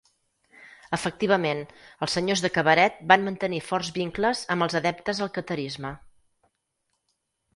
Efectivament, els senyors de Cabaret van mantenir forts vincles amb els adeptes al catarisme.